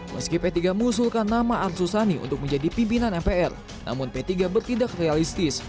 meski p tiga mengusulkan nama arsul sani untuk menjadi pimpinan mpr namun p tiga bertindak realistis